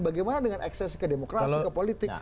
bagaimana dengan ekses ke demokrasi ke politik